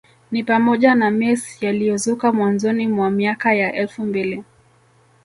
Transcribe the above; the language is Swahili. Ni pamoja na mers yaliyozuka mwanzoni mwa miaka ya elfu mbili